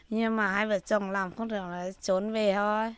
nhưng mà hai vợ chồng làm không được rồi trốn về thôi